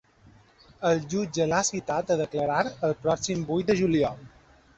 El jutge l’ha citat a declarar el pròxim vuit de juliol.